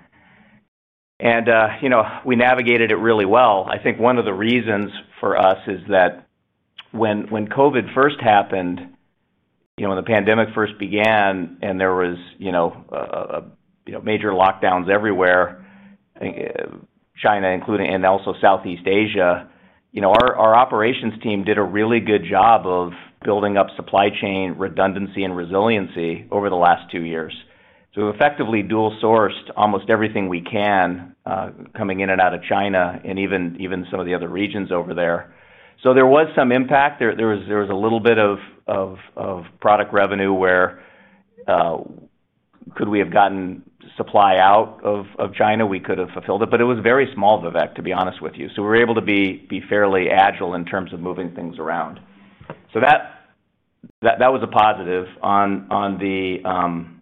[SPEAKER 3] We navigated it really well. I think one of the reasons for us is that when COVID first happened when the pandemic first began and there was major lockdowns everywhere, I think China including and also Southeast Asia, our operations team did a really good job of building up supply chain redundancy and resiliency over the last 2 years. We've effectively dual-sourced almost everything we can, coming in and out of China and even some of the other regions over there. There was some impact. There was a little bit of product revenue where we could have gotten supply out of China, we could have fulfilled it. But it was very small, Vivek, to be honest with you. We're able to be fairly agile in terms of moving things around. That was a positive. On the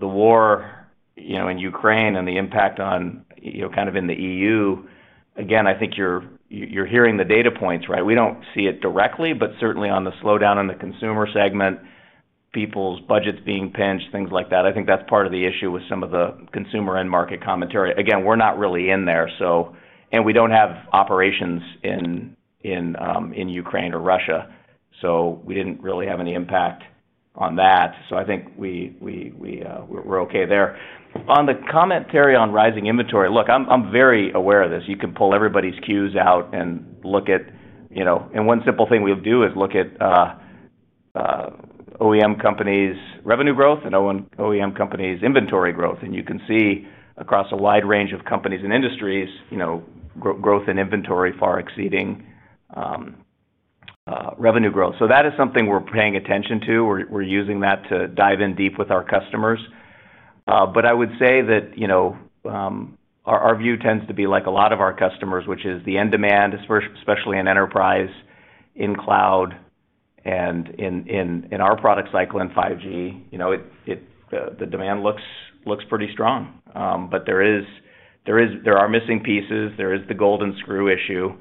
[SPEAKER 3] war, in Ukraine and the impact on, kind of in the EU, again, I think you're hearing the data points. We don't see it directly, but certainly on the slowdown in the consumer segment, people's budgets being pinched, things like that. I think that's part of the issue with some of the consumer end market commentary. We're not really in there. We don't have operations in Ukraine or Russia, so we didn't really have any impact on that. I think we're okay there. On the commentary on rising inventory, look, I'm very aware of this. You can pull everybody's 10-Q's out and look at one simple thing we'll do is look at OEM companies' revenue growth and OEM companies' inventory growth. You can see across a wide range of companies and industries,: growth in inventory far exceeding revenue growth. That is something we're paying attention to. We're using that to dive in deep with our customers. I would say that our view tends to be like a lot of our customers, which is the end demand, especially in enterprise, in cloud, and in our product cycle in 5G, the demand looks pretty strong. There are missing pieces. There is the golden screw issue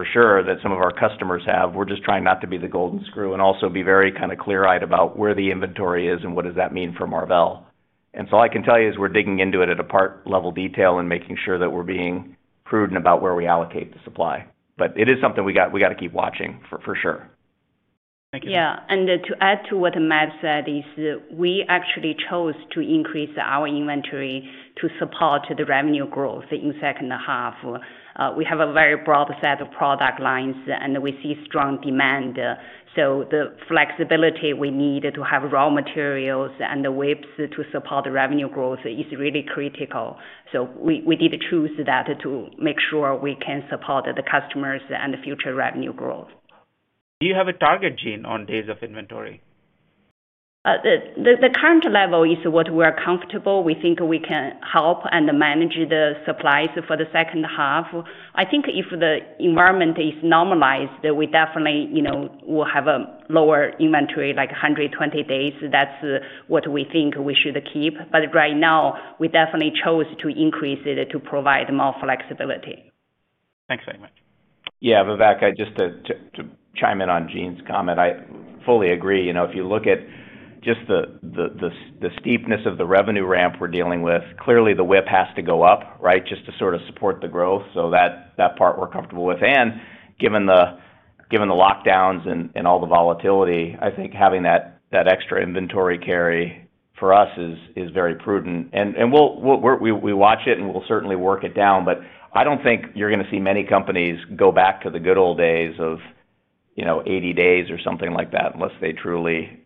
[SPEAKER 3] for sure that some of our customers have. We're just trying not to be the golden screw and also be very kind of clear-eyed about where the inventory is and what does that mean for Marvell. All I can tell you is we're digging into it at a part level detail and making sure that we're being prudent about where we allocate the supply. It is something we gotta keep watching for sure.
[SPEAKER 9] Thank you.
[SPEAKER 4] To add to what Matt said is we actually chose to increase our inventory to support the revenue growth in second half. We have a very broad set of product lines, and we see strong demand. The flexibility we need to have raw materials and the wafers to support the revenue growth is really critical. We did choose that to make sure we can support the customers and the future revenue growth.
[SPEAKER 9] Do you have a target, Jean, on days of inventory?
[SPEAKER 4] The current level is what we're comfortable. We think we can help and manage the supplies for the second half. I think if the environment is normalized, we definitely, will have a lower inventory, like 120 days. That's what we think we should keep. Right now, we definitely chose to increase it to provide more flexibility.
[SPEAKER 9] Thanks very much.
[SPEAKER 3] Vivek, I just want to chime in on Jean's comment. I fully agree. If you look at just the steepness of the revenue ramp we're dealing with, clearly the whip has to go up, right? Just to sort of support the growth that part we're comfortable with. We'll watch it, and we'll certainly work it down, but I don't think you're gonna see many companies go back to the good old days of 80 days or something like that unless they truly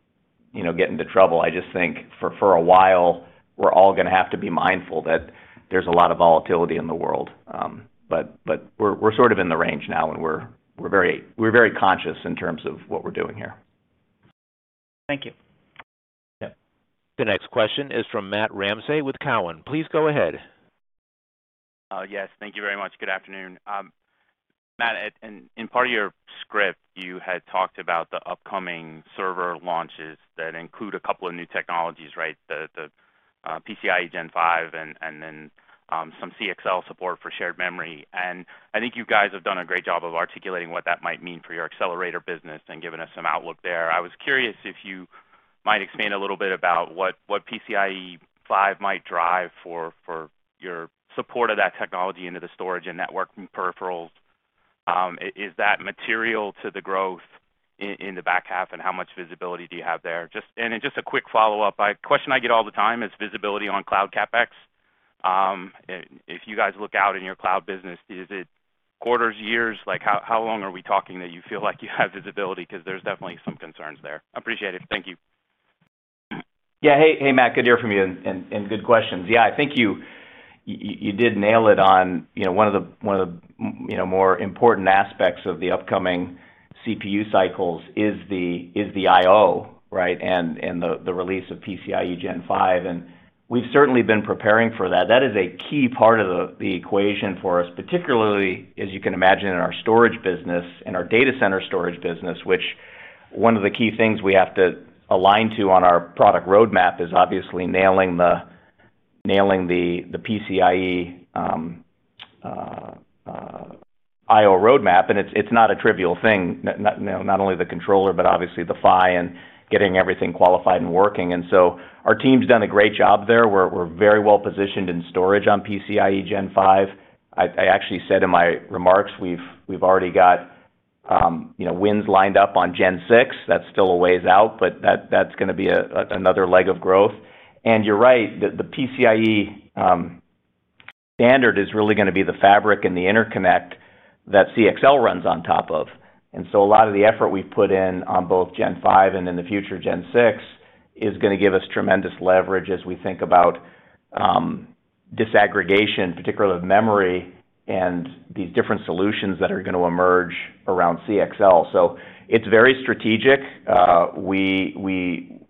[SPEAKER 3] get into trouble. I just think for a while, we're all gonna have to be mindful that there's a lot of volatility in the world. We're sort of in the range now, and we're very conscious in terms of what we're doing here.
[SPEAKER 9] Thank you.
[SPEAKER 1] The next question is from Matt Ramsay with Cowen. Please go ahead.
[SPEAKER 10] Yes. Thank you very much. Good afternoon. Matt, in part of your script, you had talked about the upcoming server launches that include a couple of new technologies, right? The PCIe Gen 5 and then some CXL support for shared memory. I think you guys have done a great job of articulating what that might mean for your accelerator business and given us some outlook there. I was curious if you might expand a little bit about what PCIe 5 might drive for your support of that technology into the storage and network peripherals. Is that material to the growth in the back half, and how much visibility do you have there? Then just a quick follow-up. A question I get all the time is visibility on cloud CapEx. If you guys look out in your cloud business, is it quarters, years? Like, how long are we talking that you feel like you have visibility 'cause there's definitely some concerns there. Appreciate it. Thank you.
[SPEAKER 3] Hey, Matt. Good to hear from you and good questions. I think you did nail it on one of the more important aspects of the upcoming CPU cycles is the I/O, right? The release of PCIe Gen 5. We've certainly been preparing for that. That is a key part of the equation for us, particularly as you can imagine in our storage business, in our data center storage business, which one of the key things we have to align to on our product roadmap is obviously nailing the PCIe I/O roadmap, and it's not a trivial thing, not only the controller, but obviously the PHY and getting everything qualified and working. Our team's done a great job there. We're very well positioned in storage on PCIe Gen 5. I actually said in my remarks, we've already got wins lined up on Gen 6. That's still a ways out, but that's gonna be another leg of growth. You're right. The PCIe standard is really gonna be the fabric and the interconnect that CXL runs on top of. A lot of the effort we've put in on both Gen 5 and in the future, Gen 6, is gonna give us tremendous leverage as we think about disaggregation, particularly of memory and these different solutions that are gonna emerge around CXL. It's very strategic.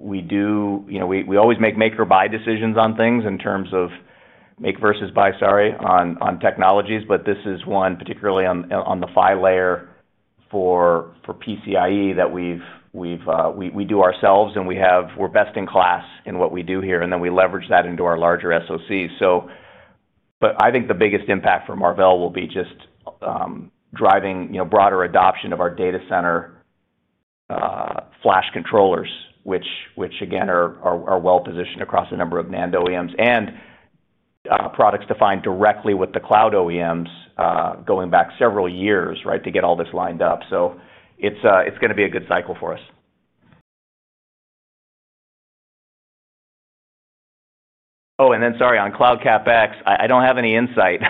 [SPEAKER 3] We do. You know, we always make or buy decisions on things in terms of make versus buy, sorry, on technologies, but this is one particularly on the PHY layer for PCIe that we do ourselves, and we're best in class in what we do here, and then we leverage that into our larger SoCs. But I think the biggest impact for Marvell will be just driving, broader adoption of our data center flash controllers, which again are well positioned across a number of NAND OEMs and products defined directly with the cloud OEMs, going back several years, right, to get all this lined up. It's gonna be a good cycle for us. Oh, and then, sorry, on cloud CapEx, I don't have any insight.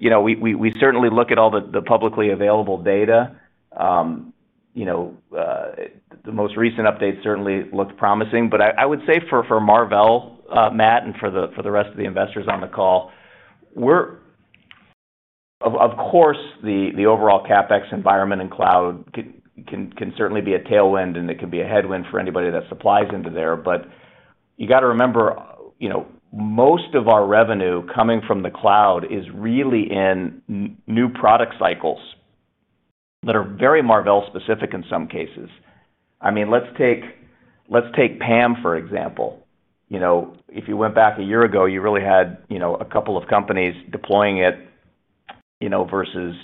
[SPEAKER 3] You know, we certainly look at all the publicly available data. You know, the most recent updates certainly look promising. I would say for Marvell, Matt, and for the rest of the investors on the call, we're aware, of course, of the overall CapEx environment and cloud can certainly be a tailwind, and it can be a headwind for anybody that supplies into there. You got to remember, most of our revenue coming from the cloud is really in new product cycles that are very Marvell specific in some cases. I mean, let's take PAM, for example. You know, if you went back a year ago, you really had a couple of companies deploying it versus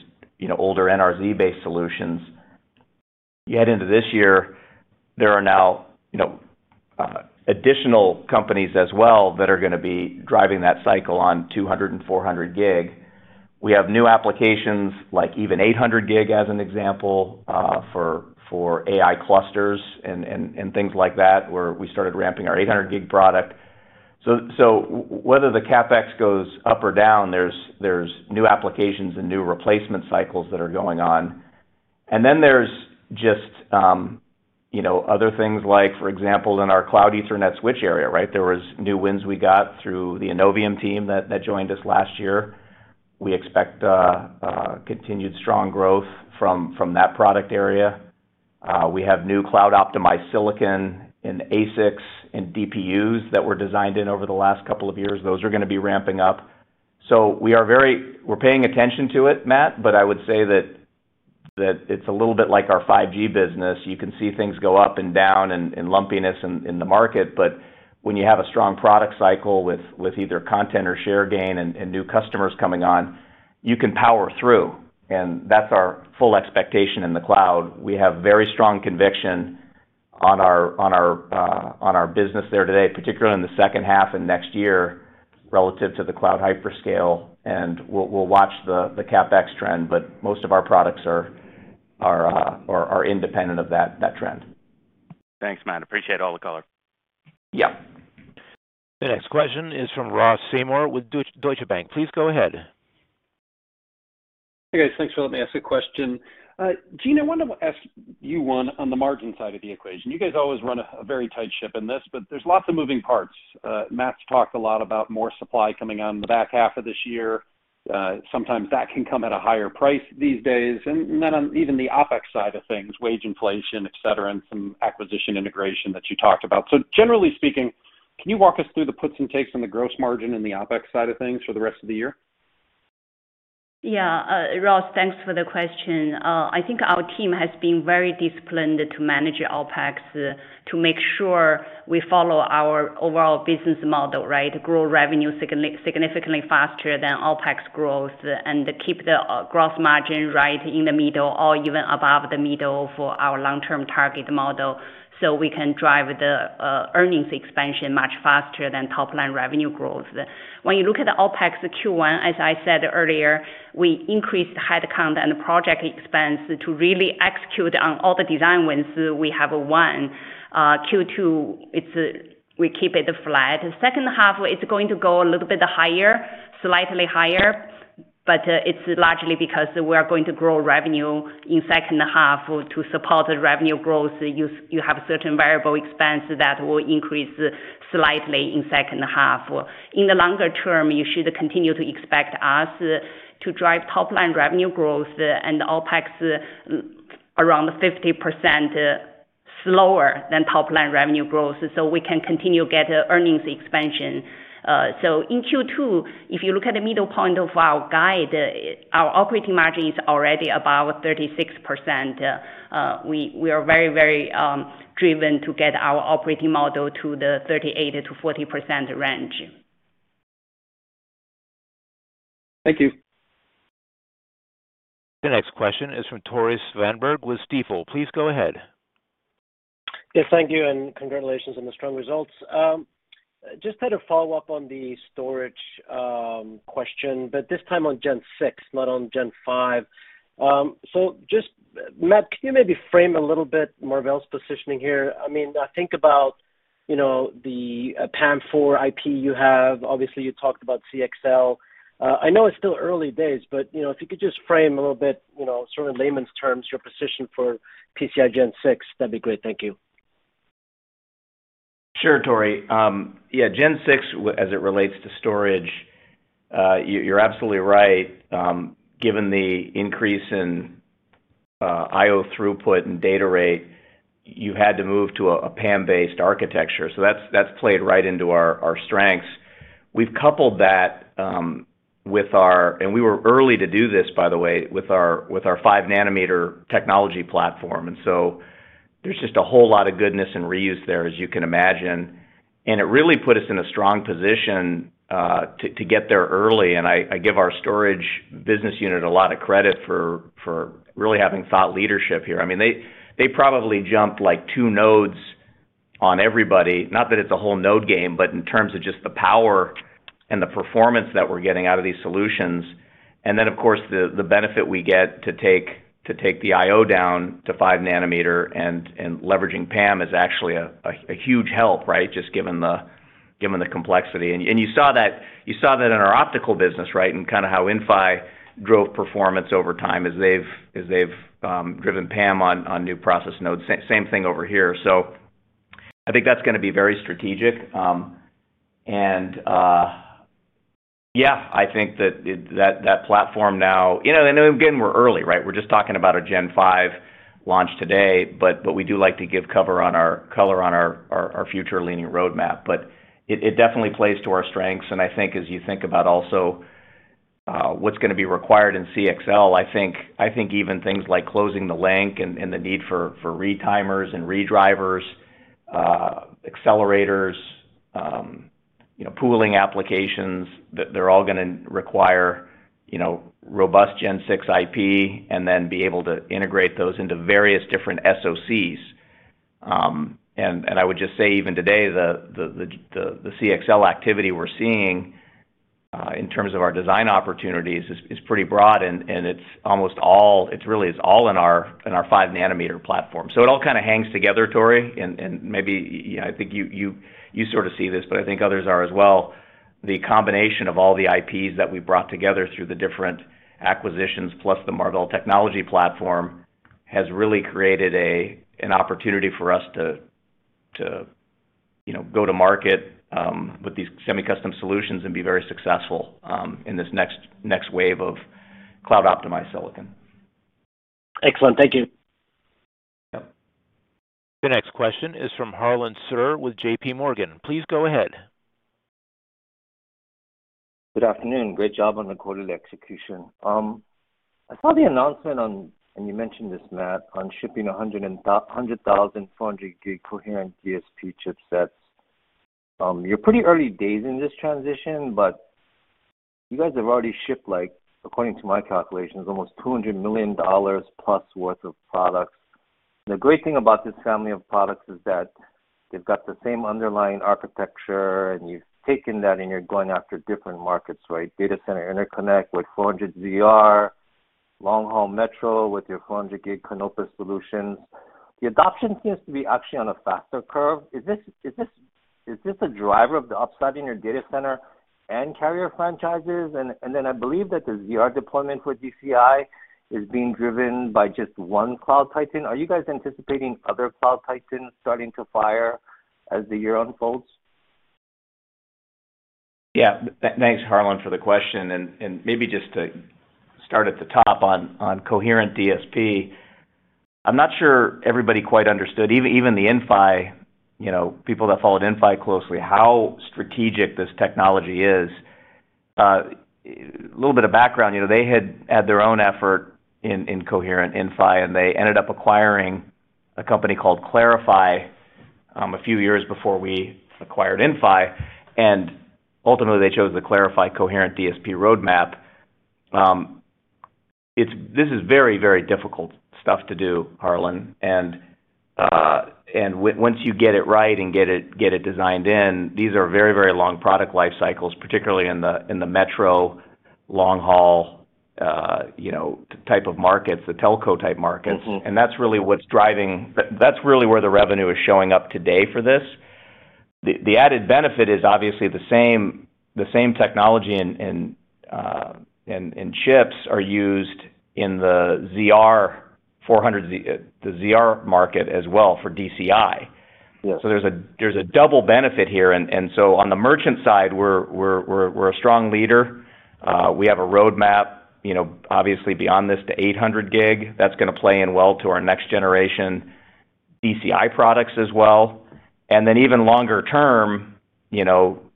[SPEAKER 3] older NRZ-based solutions. You get into this year, there are now additional companies as well that are gonna be driving that cycle on 200 and 400 gig. We have new applications like even 800 gig as an example, for AI clusters and things like that, where we started ramping our 800 gig product. Whether the CapEx goes up or down, there's new applications and new replacement cycles that are going on. Then there's just other things like, for example, in our cloud Ethernet switch area, right? There was new wins we got through the Innovium team that joined us last year. We expect continued strong growth from that product area. We have new cloud-optimized silicon in ASICs and DPUs that were designed in over the last couple of years. Those are gonna be ramping up. We are paying attention to it, Matt, but I would say that it's a little bit like our 5G business. You can see things go up and down and lumpiness in the market, but when you have a strong product cycle with either content or share gain and new customers coming on, you can power through. That's our full expectation in the cloud. We have very strong conviction on our business there today, particularly in the second half and next year, relative to the cloud hyperscalers. We'll watch the CapEx trend, but most of our products are independent of that trend.
[SPEAKER 11] Thanks, Matt. Appreciate all the color.
[SPEAKER 1] The next question is from Ross Seymore with Deutsche Bank. Please go ahead.
[SPEAKER 12] Hey, guys. Thanks for letting me ask a question. Jean, I wanted to ask you one on the margin side of the equation. You guys always run a very tight ship in this, but there are lots of moving parts. Matt's talked a lot about more supply coming on in the back half of this year. Sometimes that can come at a higher price these days. And then on even the OpEx side of things, wage inflation, et cetera, and some acquisition integration that you talked about. Generally speaking, can you walk us through the puts and takes on the gross margin and the OpEx side of things for the rest of the year?
[SPEAKER 4] Ross, thanks for the question. I think our team has been very disciplined to manage OpEx to make sure we follow our overall business model, right? Grow revenue significantly faster than OpEx growth and keep the gross margin right in the middle or even above the middle for our long-term target model, so we can drive the earnings expansion much faster than top line revenue growth. When you look at the OpEx Q1, as I said earlier, we increased headcount and project expense to really execute on all the design wins we have won. Q2, it's we keep it flat. Second half, it's going to go a little bit higher, slightly higher, but it's largely because we are going to grow revenue in second half. To support the revenue growth, you have certain variable expense that will increase slightly in second half. In the longer term, you should continue to expect us to drive top line revenue growth and OpEx around 50% slower than top line revenue growth, so we can continue get earnings expansion. In Q2, if you look at the middle point of our guide, our operating margin is already about 36%. We are very driven to get our operating model to the 38%-40% range.
[SPEAKER 12] Thank you.
[SPEAKER 1] The next question is from Tore Svanberg with Stifel. Please go ahead.
[SPEAKER 13] Yes, thank you, and congratulations on the strong results. Just had a follow-up on the storage question, but this time on Gen 6, not on Gen 5. Just, Matt, can you maybe frame a little bit of Marvell's positioning here? I mean, I think about the PAM4 IP you have. Obviously, you talked about CXL. I know it's still early days, but if you could just frame a little bit layman's terms, your position for PCI Gen 6, that'd be great. Thank you.
[SPEAKER 3] Sure, Tore. Gen 6 as it relates to storage, you're absolutely right. Given the increase in I/O throughput and data rate, you had to move to a PAM-based architecture. That's played right into our strengths. We've coupled that with our 5-nanometer technology platform. We were early to do this, by the way. There's just a whole lot of goodness and reuse there, as you can imagine. It really put us in a strong position to get there early. I give our storage business unit a lot of credit for really having thought leadership here. I mean, they probably jumped, like, 2 nodes on everybody. Not that it's a whole node game, but in terms of just the power and the performance that we're getting out of these solutions. Then, of course, the benefit we get to take the IO down to 5 nanometers and leveraging PAM is actually a huge help, right? Just given the complexity. You saw that in our optical business, right? Kind of how Inphi drove performance over time as they've driven PAM on new process nodes. Same thing over here. I think that's gonna be very strategic. I think that platform now. Again, we're early, right? We're just talking about a Gen 5 launch today, but we do like to give color on our forward-looking roadmap. It definitely plays to our strengths. I think as you think about also what's gonna be required in CXL, I think even things like closing the link and the need for retimers and redrivers, accelerators pooling applications, they're all gonna require robust Gen 6 IP and then be able to integrate those into various different SoCs. I would just say even today, the CXL activity we're seeing in terms of our design opportunities is pretty broad and it's almost all, it's really, it's all in our 5-nanometer platform. It all kind of hangs together, Tore, and maybe I think you sort of see this, but I think others are as well. The combination of all the IPs that we brought together through the different acquisitions, plus the Marvell technology platform, has really created an opportunity for us to go to market with these semi-custom solutions and be very successful in this next wave of cloud-optimized silicon.
[SPEAKER 13] Excellent. Thank you.
[SPEAKER 1] The next question is from Harlan Sur with J.P. Morgan. Please go ahead.
[SPEAKER 14] Good afternoon. Great job on the quarterly execution. I saw the announcement on, and you mentioned this, Matt, on shipping 100,000 400 gig coherent DSP chipsets. You're pretty early days in this transition, but you guys have already shipped, like, according to my calculations, almost $200 million plus worth of products. The great thing about this family of products is that they've got the same underlying architecture, and you've taken that, and you're going after different markets, right? Data center interconnect with 400 ZR, long-haul metro with your 400 gig Canopus solutions. The adoption seems to be actually on a faster curve. Is this a driver of the upside in your data center and carrier franchises? Then I believe that the ZR deployment for DCI is being driven by just one cloud titan. Are you guys anticipating other cloud titans starting to hire as the year unfolds?
[SPEAKER 3] Thanks, Harlan, for the question. Maybe just to start at the top on coherent DSP. I'm not sure everybody quite understood, even the Inphi people that followed Inphi closely, how strategic this technology is. A little bit of background they had their own effort in coherent Inphi, and they ended up acquiring a company called ClariPhy a few years before we acquired Inphi. Ultimately, they chose the ClariPhy coherent DSP roadmap. This is very, very difficult stuff to do, Harlan. Once you get it right and get it designed in, these are very, very long product life cycles, particularly in the metro long-haul type of markets, the telco type markets. That's really where the revenue is showing up today for this. The added benefit is obviously the same technology in chips are used in the ZR 400Z, the ZR market as well for DCI.
[SPEAKER 14] Yes.
[SPEAKER 3] There's a double benefit here. On the merchant side, we're a strong leader. We have a roadmap obviously beyond this to 800 gig. That's gonna play in well to our next generation DCI products as well. Even longer term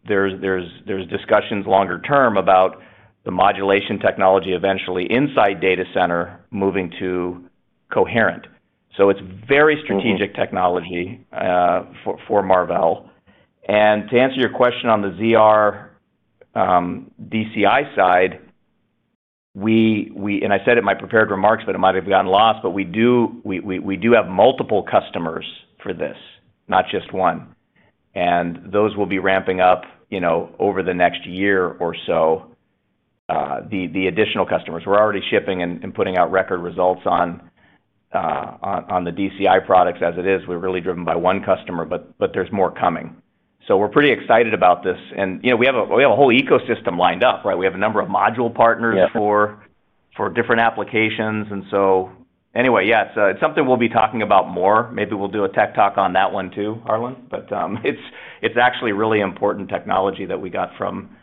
[SPEAKER 3] there's discussions longer term about the modulation technology eventually inside data center moving to coherent. It's a very strategic technology for Marvell. To answer your question on the ZR, DCI side, I said it in my prepared remarks, but it might have gotten lost. We do have multiple customers for this, not just one. Those will be ramping up over the next year or so, the additional customers. We're already shipping and putting out record results on the DCI products as it is. We're really driven by one customer, but there's more coming. So we're pretty excited about this. We have a whole ecosystem lined up, right? We have a number of module partners for different applications. Anyway it's something we'll be talking about more. Maybe we'll do a tech talk on that one too, Harlan. It's actually really important technology that we got from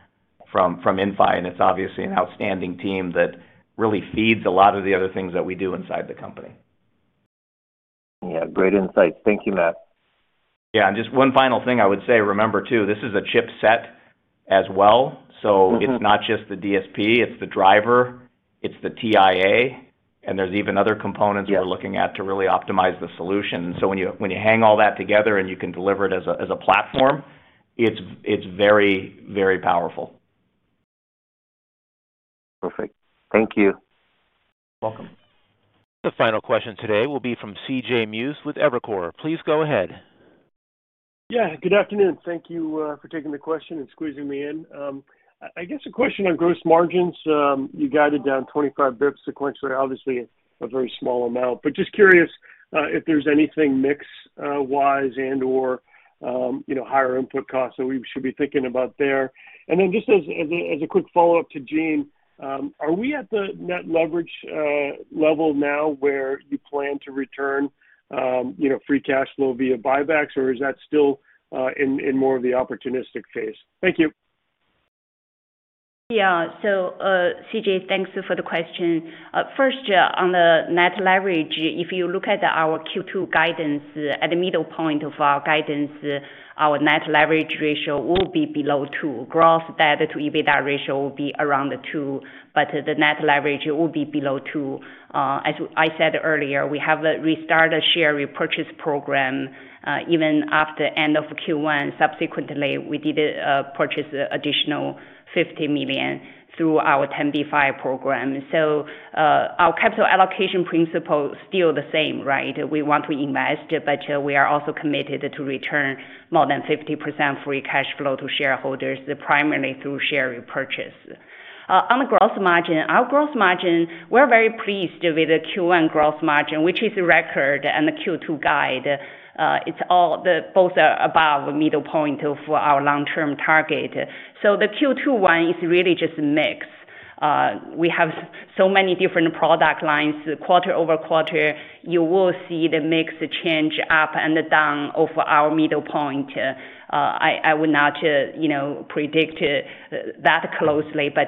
[SPEAKER 3] Inphi, and it's obviously an outstanding team that really feeds a lot of the other things that we do inside the company.
[SPEAKER 14] Great insight. Thank you, Matt.
[SPEAKER 3] Just one final thing I would say, remember too, this is a chipset as well. It's not just the DSP, it's the driver, it's the TIA, and there's even other components. We're looking at to really optimize the solution. When you hang all that together and you can deliver it as a platform, it's very, very powerful.
[SPEAKER 14] Perfect. Thank you.
[SPEAKER 3] Welcome.
[SPEAKER 1] The final question today will be from C.J. Muse with Evercore. Please go ahead.
[SPEAKER 15] Good afternoon. Thank you for taking the question and squeezing me in. I guess a question on gross margins. You guided down 25 basis points sequentially, obviously a very small amount. Just curious if there's anything mix wise and/or higher input costs that we should be thinking about there. Just as a quick follow-up to Jean, are we at the net leverage level now where you plan to return free cash flow via buybacks, or is that still in more of the opportunistic phase? Thank you.
[SPEAKER 4] C.J., thanks for the question. First, on the net leverage, if you look at our Q2 guidance, at the middle point of our guidance, our net leverage ratio will be below 2. Gross debt to EBITDA ratio will be around the 2, but the net leverage will be below 2. As I said earlier, we have restarted share repurchase program, even after end of Q1. Subsequently, we did purchase additional $50 million through our 10b5-1 program. Our capital allocation principle is still the same, right? We want to invest, but we are also committed to return more than 50% free cash flow to shareholders, primarily through share repurchase. On the gross margin. Our gross margin, we're very pleased with the Q1 gross margin, which is record in the Q2 guide. Both are above midpoint of our long-term target. The Q2 one is really just mix. We have so many different product lines quarter-over-quarter, you will see the mix change up and down around our midpoint. I would not predict that closely, but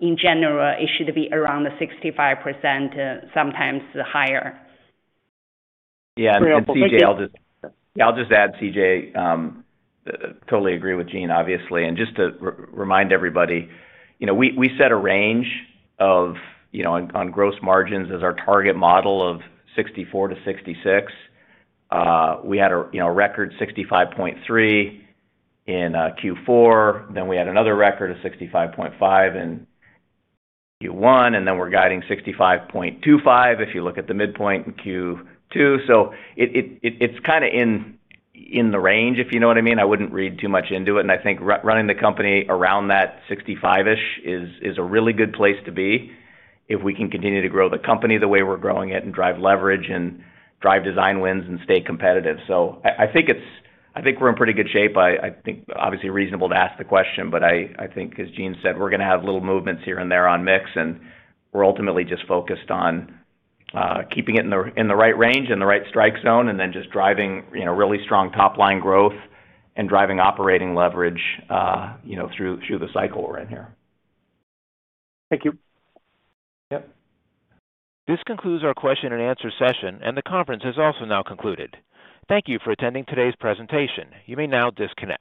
[SPEAKER 4] in general, it should be around the 65%, sometimes higher.
[SPEAKER 3] I'll just add C.J., totally agree with Jean, obviously. Just to remind everybody, we set a range of on gross margins as our target model of 64%-66%. We had a record 65.3% in Q4. We had another record of 65.5% in Q1, and we're guiding 65.25% if you look at the midpoint in Q2. It is kinda in the range, if what I mean. I wouldn't read too much into it. I think running the company around that 65-ish is a really good place to be if we can continue to grow the company the way we're growing it and drive leverage and drive design wins and stay competitive. I think we're in pretty good shape. I think obviously reasonable to ask the question, but I think as Jean said, we're gonna have little movements here and there on mix and we're ultimately just focused on keeping it in the right range and the right strike zone and then just driving really strong top-line growth and driving operating leverage through the cycle we're in here.
[SPEAKER 15] Thank you.
[SPEAKER 3] Yep.
[SPEAKER 1] This concludes our question and answer session, and the conference has also now concluded. Thank you for attending today's presentation. You may now disconnect.